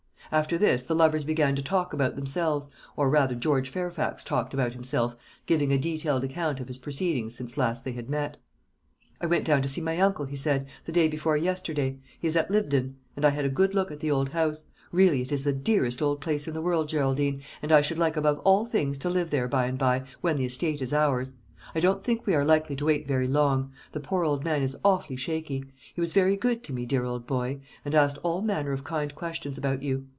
After this the lovers began to talk about themselves, or rather George Fairfax talked about himself, giving a detailed account of his proceedings since last they had met. "I went down to see my uncle," he said, "the day before yesterday. He is at Lyvedon, and I had a good look at the old house. Really it is the dearest old place in the world, Geraldine, and I should like above all things to live there by and by, when the estate is ours. I don't think we are likely to wait very long. The poor old man is awfully shaky. He was very good to me, dear old boy, and asked all manner of kind questions about you.